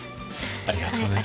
ありがとうございます。